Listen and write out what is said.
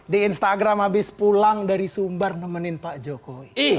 di instagram abis pulang dari sumbar nemenin pak jokowi